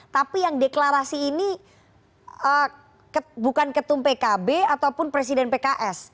tapi yang deklarasi ini bukan ketum pkb ataupun presiden pks